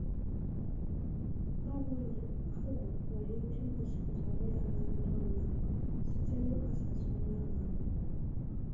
Agwụ nwèrè ike igosipụta onwe ya na ndụ mmadụ site n'ịkpasàsị onye ahụ anya